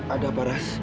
ada apa ras